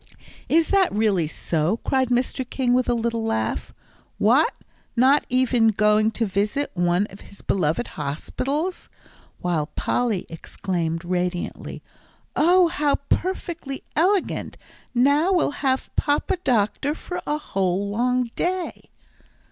"Is that really so?" cried Mr. King, with a little laugh. "What! not even going to visit one of his beloved hospitals?" while Polly exclaimed, radiantly, "Oh, how perfectly elegant! Now we'll have Papa Doctor for a whole long day!"